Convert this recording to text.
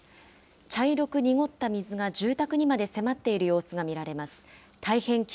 茶色く濁った水が住宅にまで迫っている様子が見られます。